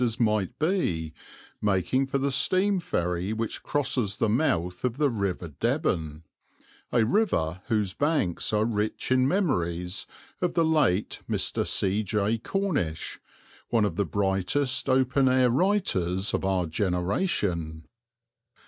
as might be, making for the steam ferry which crosses the mouth of the river Deben, a river whose banks are rich in memories of the late Mr. C. J. Cornish, one of the brightest open air writers of our generation.